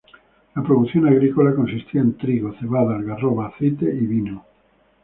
La producción agrícola consistía en trigo, cebada, algarroba, aceite y vino.